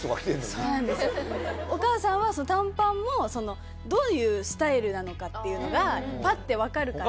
お母さんはその短パンもどういうスタイルなのかっていうのがパッて分かるから。